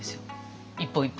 一本一本。